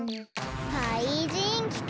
かいじんきた！